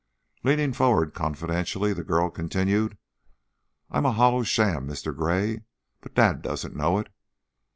Leaning forward confidentially, the girl continued: "I'm a hollow sham, Mr. Gray, but dad doesn't know it.